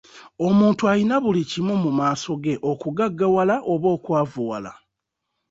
Omuntu ayina buli kimu mu maaso ge okugaggawala oba okwavuwala.